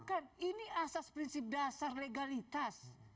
bukan ini asas prinsip dasar legalitas